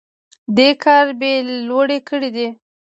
دې کار بیې لوړې کړي دي.